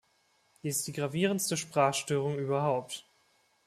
Dies ist die gravierendste Sprachstörung überhaupt.